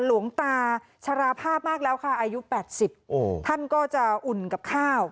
หลวงตาชราภาพมากแล้วค่ะอายุ๘๐ท่านก็จะอุ่นกับข้าว